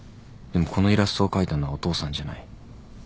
でもこのイラストを描いたのはお父さんじゃない。